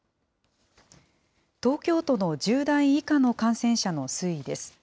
東京都の１０代以下の感染者の推移です。